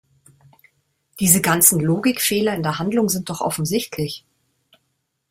Diese ganzen Logikfehler in der Handlung sind doch offensichtlich!